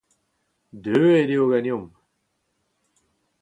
Deuet eo ganeomp.